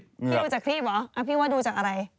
พี่ดูจากคลิปเหรอพี่ว่าดูจากอะไร